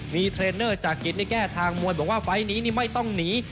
มีเทรนเนอร์จากกิจในแก้ทางมวยบอกว่าไฟล์นี้นี่ไม่ต้องหนี